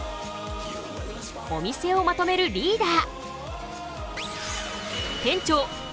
お店をまとめるリーダー！